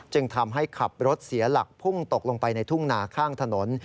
จึงทำให้ขับรถเสียหลักพุ่งตกลงไปในทุ่งนาข้างถนน